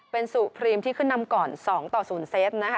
เป็นสุพรีมที่ขึ้นนำก่อน๒๐เซต